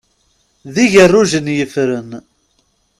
D igerrujen yeffren.